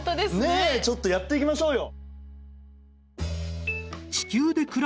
ねえちょっとやっていきましょうよ。